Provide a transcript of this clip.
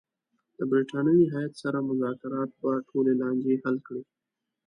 د برټانوي هیات سره مذاکرات به ټولې لانجې حل کړي.